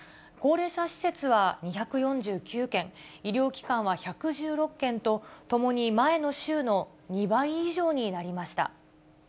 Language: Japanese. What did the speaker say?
高齢者施設は２４９件、医療機関は１１６件と、ともに前の週の２倍以上になりました。